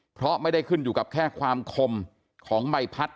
เพราะไม่ได้ขึ้นอยู่กับแค่ความคมของใบพัด